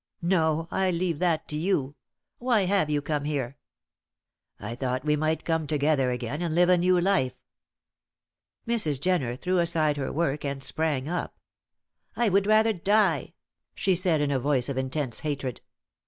No, I leave that to you. Why have you come here?" "I thought we might come together again and live a new life." Mrs. Jenner threw aside her work and sprang up. "I would rather die," she said, in a voice of intense hatred.